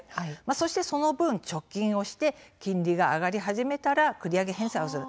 そして、その分、貯金をして金利が上がり始めたら繰り上げ返済をする